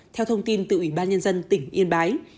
theo thông tin từ ủy ban nhân dân tỉnh yên bái